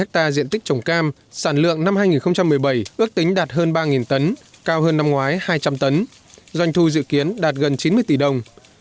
hai hectare diện tích trồng cam sản lượng năm hai nghìn một mươi bảy ước tính đạt hơn ba tấn cao hơn năm ngoái hai trăm linh tấn doanh thu dự kiến đạt gần chín mươi tỷ đồng